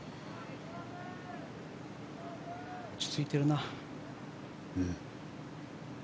落ち着いてるな。